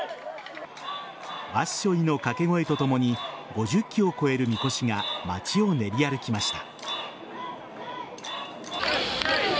わっしょいの掛け声とともに５０基を超えるみこしが街を練り歩きました。